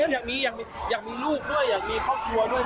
อยากมีอยากมีอยากมีลูกด้วยอยากมีครอบครัวด้วย